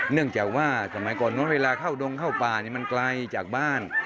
เนื่องจากว่าสมัยก่อนนู้นเวลาเข้าดงเข้าป่ามันไกลจากบ้าน